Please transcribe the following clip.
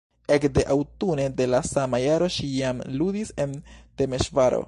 Ekde aŭtune de la sama jaro ŝi jam ludis en Temeŝvaro.